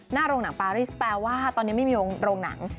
โรงหนังปารีสแปลว่าตอนนี้ไม่มีโรงหนัง